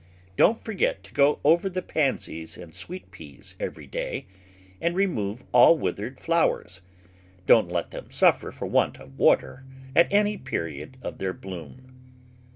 Don't forget to go over the Pansies and Sweet peas every day, and remove all withered flowers. Don't let them suffer for want of water at any period of their bloom.